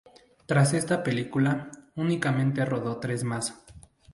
Tras esta película, únicamente rodó tres más.